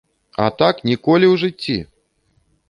А так, ніколі ў жыцці!